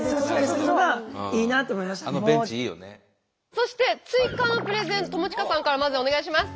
そして追加のプレゼン友近さんからまずお願いします。